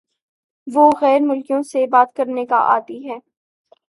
وہ غیر ملکیوں سے بات کرنے کا عادی ہے